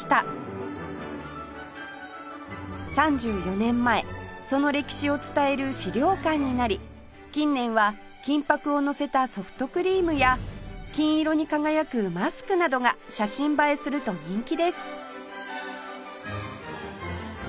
３４年前その歴史を伝える資料館になり近年は金箔をのせたソフトクリームや金色に輝くマスクなどが写真映えすると人気です